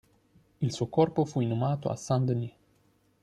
Il suo corpo fu inumato a Saint-Denis.